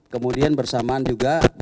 kemudian bersamaan juga